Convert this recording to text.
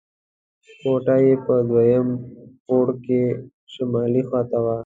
کوټه یې په دویم پوړ کې شمالي خوا وه.